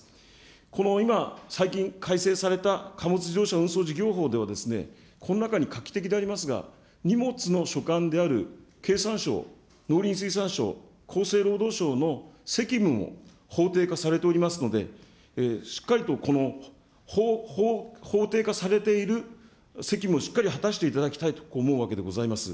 この今、最近改正された貨物自動車運送事業法では、この中に画期的でありますが、荷物の所管である経産省、農林水産省、厚生労働省の責務も法定化されておりますので、しっかりと法定化されている責務をしっかり果たしていただきたいと思うわけでございます。